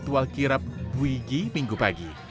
ritual kirap wigi minggu pagi